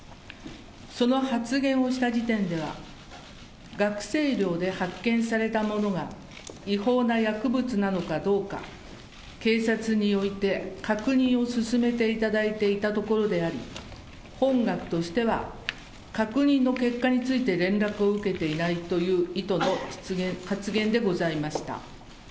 その発言をした時点では、学生寮で発見されたものが違法な薬物なのかどうか、警察において確認を進めていただいていたところであり、本学としては、確認の結果について連絡を受けていないという意図の発言でございました。